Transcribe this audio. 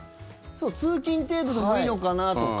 通勤程度でもいいのかなとか。